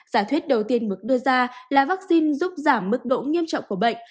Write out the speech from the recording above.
giả thuyết đầu tiên mực đưa ra là vaccine giúp giảm mức độ nghiêm trọng của bệnh